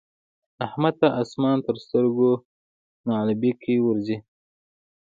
احمد ته اسمان تر سترګو نعلبکی ورځي.